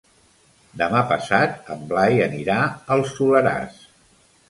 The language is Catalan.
Demà passat en Blai anirà al Soleràs.